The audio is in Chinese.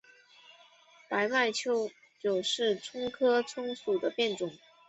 白脉韭是葱科葱属的变种。